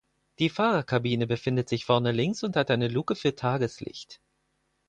Die Fahrerkabine befindet sich vorne links und hat eine Luke für Tageslicht.